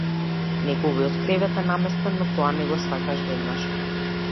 Неговиот кревет е наместен, но тоа не го сфаќаш веднаш.